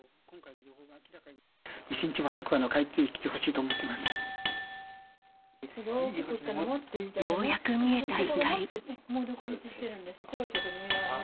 一日も早く帰ってきてほしいようやく見えた光。